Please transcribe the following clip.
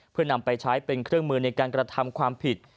เพื่อนำไปใช้เป็นเครื่องมือในการกระทำความผิด